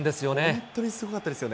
本当にすごかったですよね。